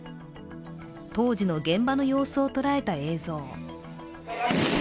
当時の現場の様子を捉えた映像。